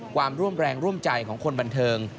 ความร่วมแรงร่วมใจของคนบันเทิง